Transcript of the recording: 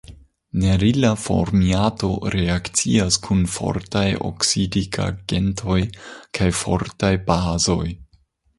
Nerila formiato reakcias kun fortaj oksidigagentoj kaj fortaj bazoj.